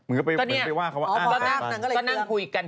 เราก็ไปว่าคำว่าอ้าง